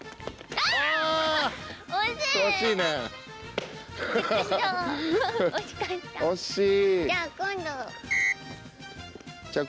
あ惜しい！